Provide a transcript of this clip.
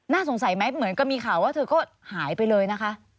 สงสัยไหมเหมือนกับมีข่าวว่าเธอก็หายไปเลยนะคะ